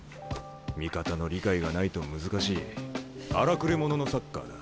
味方の理解がないと難しい荒くれ者のサッカーだ。